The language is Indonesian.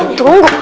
eh tunggu tunggu